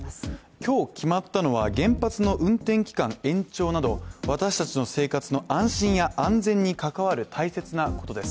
今日決まったのは原発の運転期間延長など私たちの生活の安心や安全に関わる大切なことです。